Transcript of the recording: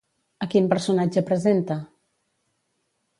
A quin personatge presenta?